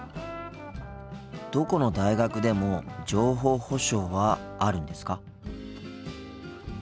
どこの大学でも情報保障はあるんですか？